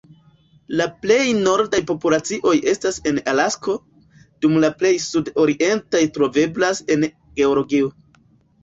La plej nordaj populacioj estas en Alasko, dum la plej sud-orientaj troveblas en Georgio.